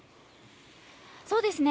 そうですね。